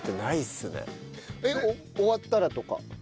終わったらとか。